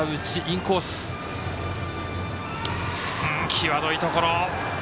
際どいところ。